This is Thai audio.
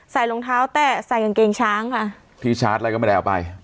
รองเท้าแต่ใส่กางเกงช้างค่ะพี่ชาร์จอะไรก็ไม่ได้เอาไป